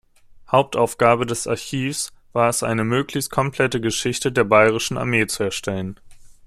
Hauptaufgabe des Archivs war es, eine möglichst komplette Geschichte der Bayerischen Armee zu erstellen.